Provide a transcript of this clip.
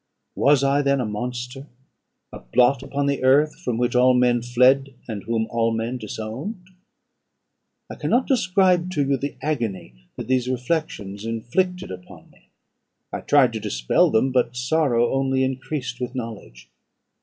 Was I then a monster, a blot upon the earth, from which all men fled, and whom all men disowned? "I cannot describe to you the agony that these reflections inflicted upon me: I tried to dispel them, but sorrow only increased with knowledge.